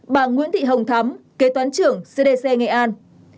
bà nguyễn thị hồng thắm kế toán trưởng cdc nghệ an